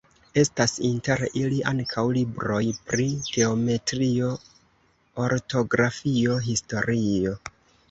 Estas inter ili ankaŭ libroj pri geometrio, ortografio, historio.